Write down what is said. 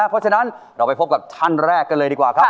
เพราะฉะนั้นเราไปพบกับท่านแรกกันเลยดีกว่าครับ